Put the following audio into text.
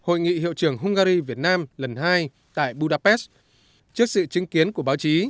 hội nghị hiệu trưởng hungary việt nam lần hai tại budapest trước sự chứng kiến của báo chí